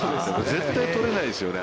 絶対捕れないですよね。